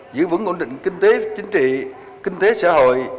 giữ vững ổn định kinh tế chính trị kinh tế xã hội